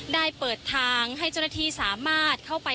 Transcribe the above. ได้เปิดทางให้เจ้าหน้าที่สามารถเข้าไป